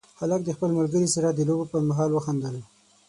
هلک د خپل ملګري سره د لوبو پر مهال وخندل.